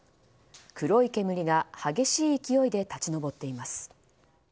黒い煙が激しい勢いで立ち上っています。